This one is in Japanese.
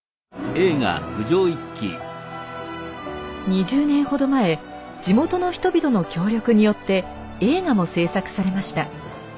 ２０年ほど前地元の人々の協力によって映画も製作されました。